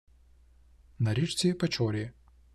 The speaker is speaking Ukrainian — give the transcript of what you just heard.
на річці Печорі